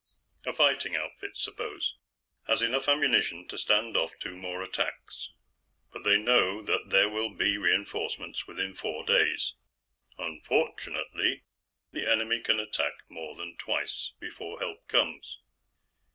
"A fighting outfit, suppose, has enough ammunition to stand off two more attacks; but they know that there will be reinforcements within four days. Unfortunately, the enemy can attack more than twice before help comes.